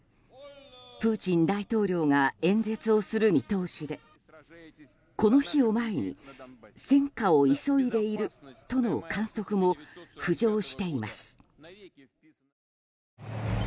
プーチン大統領が演説をする見通しでこの日を前に戦果を急いでいるとの観測も浮上しています。